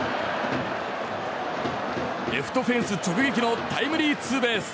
レフトフェンス直撃のタイムリーツーベース。